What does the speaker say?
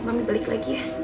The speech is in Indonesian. mami balik lagi ya